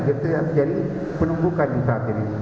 itu yang menjadi penumbukan di saat ini